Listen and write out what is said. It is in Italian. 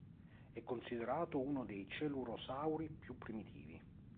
È considerato uno dei celurosauri più primitivi.